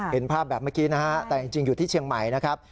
เห็นภาพแบบเมื่อกี้นะฮะแต่จริงอยู่ที่เชียงใหม่นะครับ